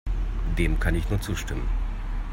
Dem kann ich nur zustimmen.